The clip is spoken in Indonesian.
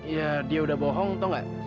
ya dia udah bohong tau gak